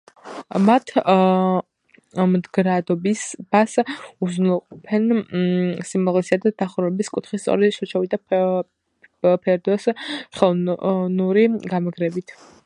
მათ მდგრადობას უზრუნველყოფენ სიმაღლისა და დახრილობის კუთხის სწორი შერჩევით და ფერდოს ხელოვნური გამაგრებით.